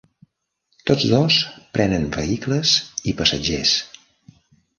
Tots dos prenen vehicles i passatgers.